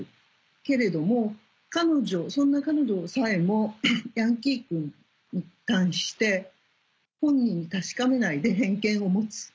けれどもそんな彼女さえもヤンキー君に関して本人に確かめないで偏見を持つ。